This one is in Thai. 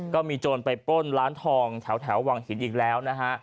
โจรไปปล้นร้านทองแถววังหินอีกแล้วนะฮะ